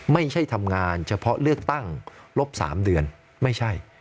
ไม่ใช่ทำงานเฉพาะเลือกตั้งลบ๓เดือนไม่ใช่